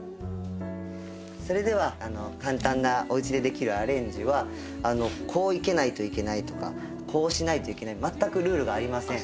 それでは簡単なおうちでできるアレンジはこう生けないといけないとかこうしないといけない全くルールがありません。